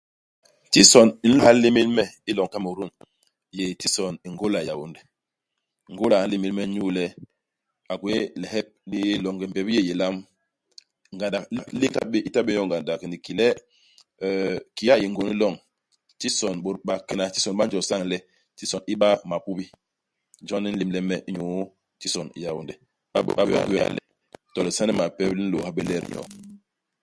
Tison i i nlôôha lémél me i loñ i Kamerun, i yé tison i Ngôla Yaônde. Ngôla a nlémél me inyu le a gwéé lihep li yé longe mbebi yéé i yé ilam. Ngandak lék lék i i ta bé nyoo ngandak. Ni ki le euh kiki a yé hingôn hi loñ, tison bôt bakena tison ba njo sañ le tison i ba mapubi. Jon li nlémle me inyu tison i Yaônde. I ba bé i hôya le to lisane mapep li nlôôha bé let nyoo.